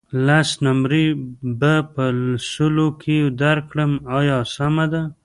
لس نمرې به په سلو کې درکړم آیا سمه ده.